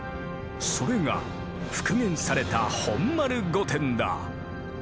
それが復元された本丸御殿だ。